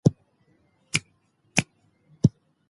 لېونے شوے يمه واګې له توسنه نيسم